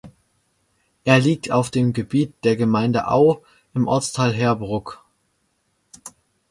Er liegt auf dem Gebiet der Gemeinde Au im Ortsteil Heerbrugg.